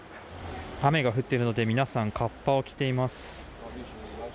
雨が降っているので皆さん、かっぱを着ています。